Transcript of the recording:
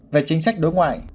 về chính sách đối ngoại